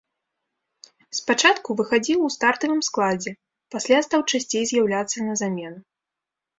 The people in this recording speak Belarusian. Спачатку выхадзіў у стартавым складзе, пасля стаў часцей з'яўляцца на замену.